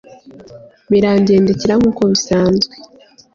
birangendekera nk'uko bisanzwe